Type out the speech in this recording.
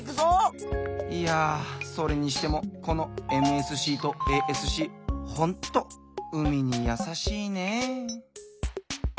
いやそれにしてもこのＭＳＣとＡＳＣほんと海にやさしいね！